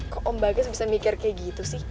kok om bagas bisa mikir kayak gitu sih